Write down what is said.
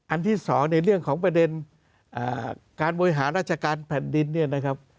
ที่สองในเรื่องของประเด็นการบริหารราชการแผ่นดินเนี่ยนะครับ